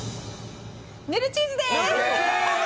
ぬるチーズです。